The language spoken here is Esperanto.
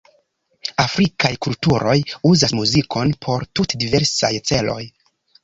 Afrikaj kulturoj uzas muzikon por tute diversaj celoj.